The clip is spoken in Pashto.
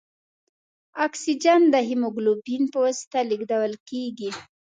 اکسیجن د هیموګلوبین په واسطه لېږدوال کېږي.